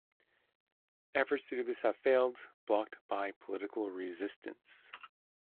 Efforts to do this have failed, blocked by political resistance.